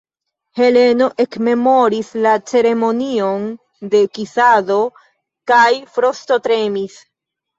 Heleno ekmemoris la ceremonion de kisado kaj frostotremis.